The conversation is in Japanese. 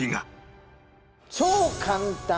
超簡単！